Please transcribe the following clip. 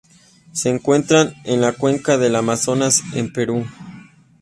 Se encuentran en la cuenca del Amazonas, en Perú.